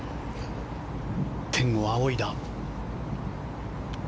天を仰いだ。